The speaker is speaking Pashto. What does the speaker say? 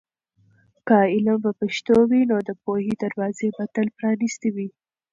که علم په پښتو وي، نو د پوهې دروازې به تل پرانیستې وي.